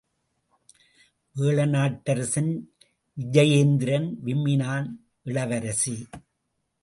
வேழநாட்டரசன் Vijayendran விம்மினான் Ilavarasi!....